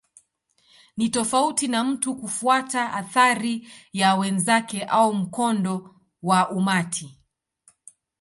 Ni tofauti na mtu kufuata athari ya wenzake au mkondo wa umati.